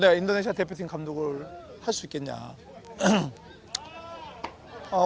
dan apakah saya bisa menjadi pengarah depok tim indonesia